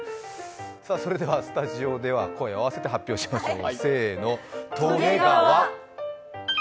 それではスタジオでは声を合わせて発表しましょう。